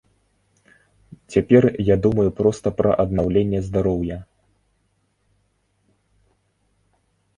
Цяпер я думаю проста пра аднаўленне здароўя.